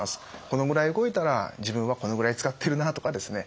このぐらい動いたら自分はこのぐらい使ってるなとかですね